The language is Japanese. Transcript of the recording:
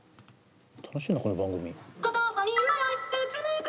楽しいなこの番組。